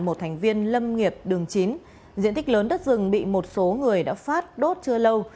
một thành viên lâm nghiệp đường chín diện tích lớn đất rừng bị một số người đã phát đốt chưa lâu